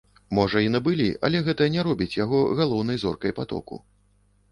Можа і набылі, але гэта не робіць яго галоўнай зоркай патоку.